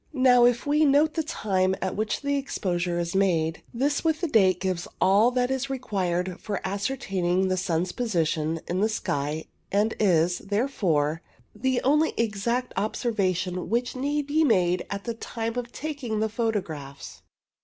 Now, if we note the time at which the exposure is made, this with the date gives all that is re quired for ascertaining the sun's position in the sky, and is, therefore, the only exact observation which need be made at the time of taking the photographs.